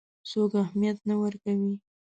څوک اهمیت نه ورکوي.